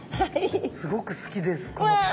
すごく好きですこの形。